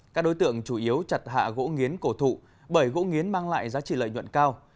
các đối tượng chủ yếu chặt hạ gỗ nghiến cổ thụ bởi gỗ nghiến mang lại giá trị lợi nhuận cao